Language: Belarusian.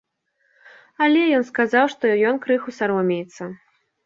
Але ён сказаў, што ён крыху саромеецца.